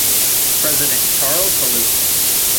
President Charles Helou.